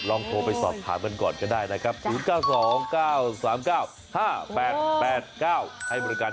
ลองโทรไปสอบทานกันก่อนก็ได้นะครับ